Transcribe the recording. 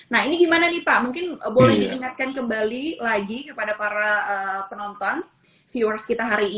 nah ini gimana nih pak mungkin boleh diingatkan kembali lagi kepada para penonton viewers kita hari ini